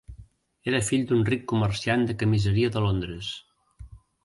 Era fill d'un ric comerciant de camiseria de Londres.